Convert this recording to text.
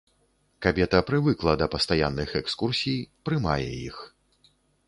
Кабета прывыкла да пастаянных экскурсій, прымае іх.